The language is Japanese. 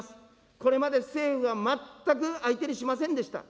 これまで政府は全く相手にしませんでした。